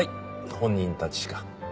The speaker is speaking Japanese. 本人たちしか。